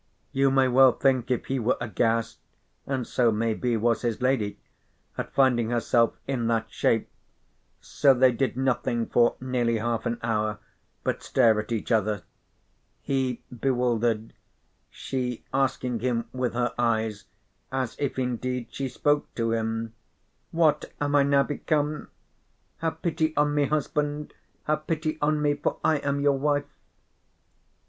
You may well think if he were aghast: and so maybe was his lady at finding herself in that shape, so they did nothing for nearly half an hour but stare at each other, he bewildered, she asking him with her eyes as if indeed she spoke to him: "What am I now become? Have pity on me, husband, have pity on me for I am your wife."